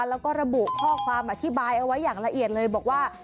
แล้วก็ระบุข้อความอธิบายเอาไว้อย่างละเอียดเลยบอกว่า